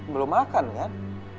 belum makan kan